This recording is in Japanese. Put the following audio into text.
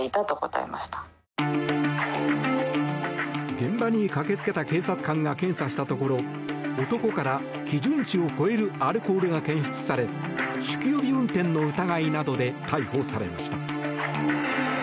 現場に駆けつけた警察官が検査したところ男から基準値を超えるアルコールが検出され酒気帯び運転の疑いなどで逮捕されました。